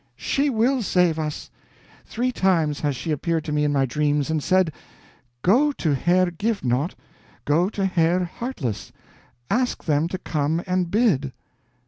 She will save us. Three times has she appeared to me in my dreams, and said, 'Go to the Herr Givenaught, go to the Herr Heartless, ask them to come and bid.'